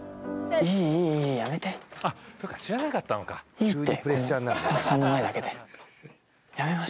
いいって！